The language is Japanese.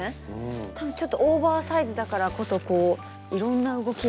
多分ちょっとオーバーサイズだからこそいろんな動きができるなっていうのが。